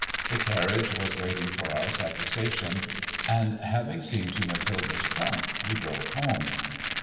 The carriage was waiting for us at the station, tnd having seen to Mathilde's trunk, we drove home.